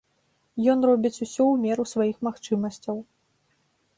Ён робіць усё ў меру сваіх магчымасцяў.